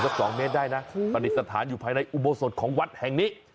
อันนี้สถานอยู่ภายในอุโบสถ์ของวัดแห่งนี้